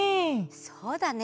そうだね！